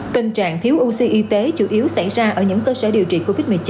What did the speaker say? tình trạng thiếu oxy y tế chủ yếu xảy ra ở những cơ sở điều trị covid một mươi chín